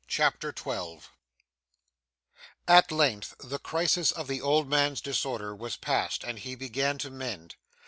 CHAPTER 12 At length, the crisis of the old man's disorder was past, and he began to mend.